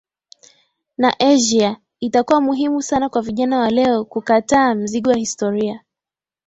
na Asia Itakuwa muhimu sana kwa vijana wa leo kukataa mzigo wa historia